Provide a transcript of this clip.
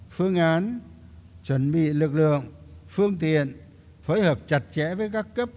phương án chuẩn bị lực lượng phương tiện phối hợp chặt chẽ với các cấp